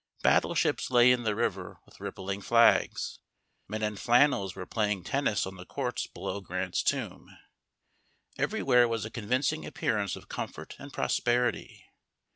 Battleships lay in the river with rippling flags. Men in flannels were playing tennis on the courts below Grant's Tomb; everywhere was a convincing appearance of comfort and prosperity.